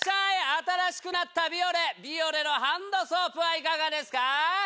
新しくなったビオレビオレのハンドソープはいかがですか？